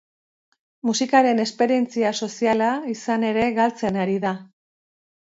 Musikaren esperientzia soziala, izan ere, galtzen ari da.